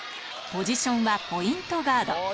ポジションはポイントガード